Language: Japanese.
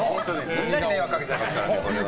みんなに迷惑かけちゃいますから。